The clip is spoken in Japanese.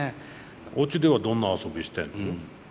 おうちではどんな遊びしてんの？